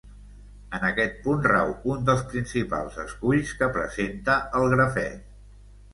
En aquest punt rau uns dels principals esculls que presenta el grafè.